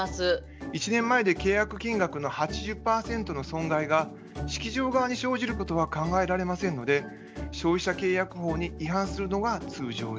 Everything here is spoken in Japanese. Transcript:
１年前で契約金額の８０％の損害が式場側に生じることは考えられませんので消費者契約法に違反するのが通常です。